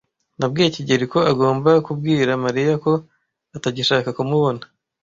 Nabwiye kigeli ko agomba kubwira Mariya ko atagishaka kumubona.